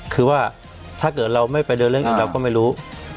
คือว่าถ้าเกิดเราไม่ไปเดินเรื่องอีกเราก็ไม่รู้